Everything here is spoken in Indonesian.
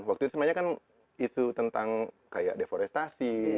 waktu itu semuanya kan isu tentang kayak deforestasi